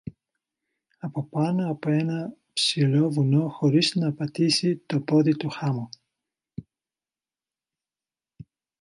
από πάνω από ένα ψηλό βουνό, χωρίς να πατήσει το πόδι του χάμω.